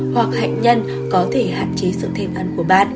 hoặc bệnh nhân có thể hạn chế sự thêm ăn của bạn